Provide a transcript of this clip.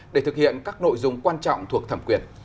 để thực hiện các nội dung quan trọng thuộc thẩm quyền